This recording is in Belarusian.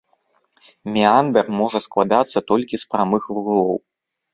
Меандр можа складацца толькі з прамых вуглоў.